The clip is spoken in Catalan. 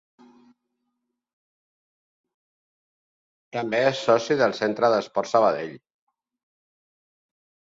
També és soci del Centre d'Esports Sabadell.